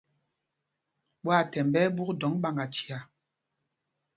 Ɓwaathɛmb ɓɛ́ ɛ́ ɓûk dɔŋ ɓaŋgachia.